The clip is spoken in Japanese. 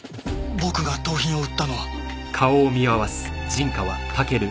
僕が盗品を売ったのは。